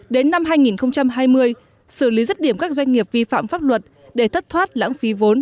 đến năm hai nghìn hai mươi xử lý rứt điểm các doanh nghiệp vi phạm pháp luật để thất thoát lãng phí vốn